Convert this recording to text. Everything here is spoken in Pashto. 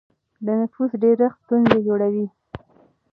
د نفوس ډېرښت ستونزې جوړوي.